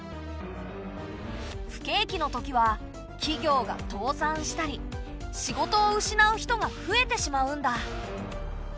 不景気のときは企業が倒産したり仕事を失う人が増えてしまうんだ。